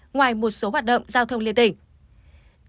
ngoài một số hoạt động giao thông liên tỉnh